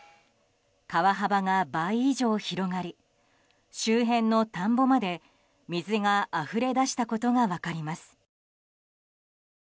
川幅が倍以上広がり周辺の田んぼまで水があふれ出したことが分かります。